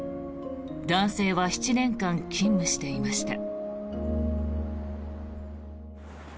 男性は７年間勤務していました。